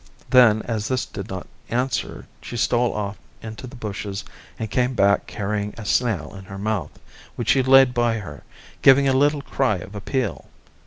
Then as this did not answer she stole off into the bushes and came back carrying a snail in her mouth, which she laid by her, giving a little cry of appeal.